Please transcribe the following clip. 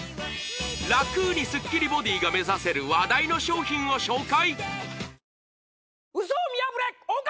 楽にスッキリボディが目指せる話題の商品を紹介